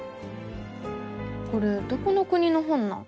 これどこの国の本なん？